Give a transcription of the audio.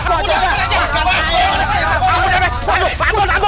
udah ngaku aja